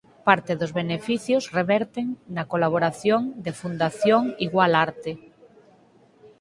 Parte dos beneficios reverten na colaboración de Fundación Igual Arte.